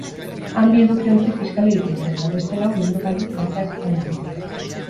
Han bi edukiontzi kiskali dituzte, eta beste lau ibilgailuk kalteak izan dituzte.